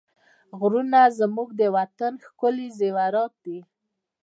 غرونه زموږ د وطن ښکلي زېورات دي.